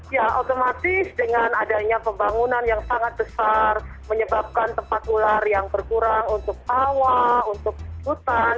ya otomatis dengan adanya pembangunan yang sangat besar menyebabkan tempat ular yang berkurang untuk pawa untuk hutan